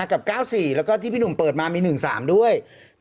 กับ๙๔แล้วก็ที่พี่หนุ่มเปิดมามี๑๓ด้วย